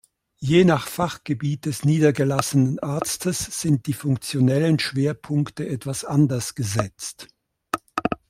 Je nach Fachgebiet des niedergelassenen Arztes sind die funktionellen Schwerpunkte etwas anders gesetzt.